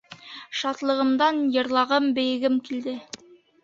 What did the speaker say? Шатлығымдан йырлағым, бейегем килде.